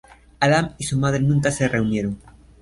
Adam y su madre nunca se reunieron.